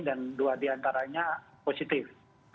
dan dua diantaranya positif